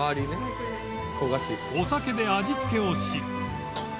お酒で味付けをし